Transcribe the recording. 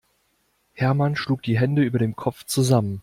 Hermann schlug die Hände über dem Kopf zusammen.